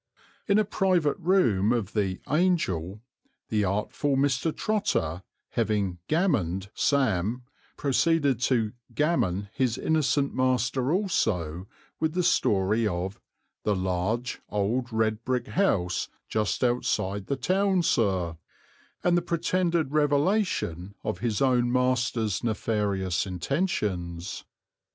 In a private room of the "Angel" the artful Mr. Trotter, having "gammoned" Sam, proceeded to "gammon" his innocent master also with the story of "the large, old, red brick house just outside the town, sir," and the pretended revelation of his own master's nefarious intentions.